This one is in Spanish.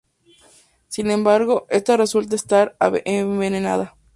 Sin embargo, esta resulta estar envenenada.